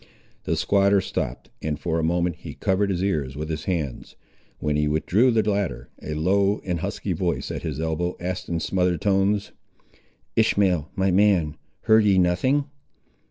The squatter stopped, and for a moment he covered his ears with his hands. When he withdrew the latter, a low and husky voice at his elbow asked in smothered tones— "Ishmael, my man, heard ye nothing?"